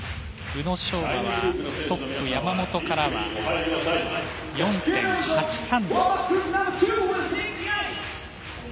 宇野昌磨はトップの山本からは４．８３の差。